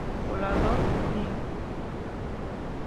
Volador Jr.